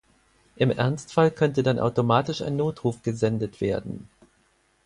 Im Ernstfall könnte dann automatisch ein Notruf gesendet werden.